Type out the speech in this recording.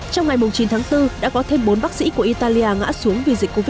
trong ngày chín tháng bốn đã có thêm bốn bác sĩ của italia ngã xuống vì dịch covid một mươi